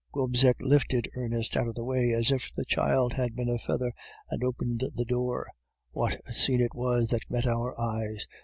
"Gobseck lifted Ernest out of the way as if the child had been a feather, and opened the door. "What a scene it was that met our eyes!